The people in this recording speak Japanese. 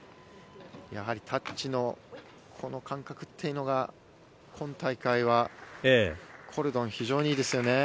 やはりタッチの感覚というのが今大会はコルドンは非常にいいですよね。